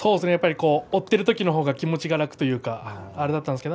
追っているときのほうが気持ちが楽でしたね。